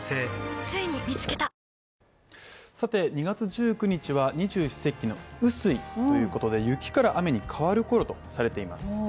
２月１９日は二十四節気の雨水ということで雪から雨に変わるころとされています。